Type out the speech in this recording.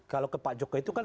kalau ke pak jokowi itu kan